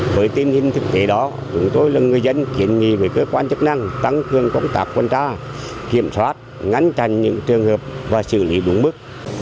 với tình hình thực tế đó chúng tôi là người dân kiện nghị với cơ quan chức năng tăng cường công tác quân tra kiểm soát ngăn chặn những trường hợp và xử lý đúng mức